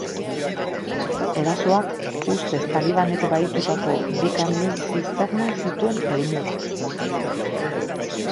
Erasoak ustez talibanek bahitutako bi kamioi zisterna zituen helmuga.